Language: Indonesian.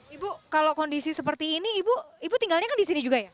ibu kalau kondisi seperti ini ibu tinggalnya kan di sini juga ya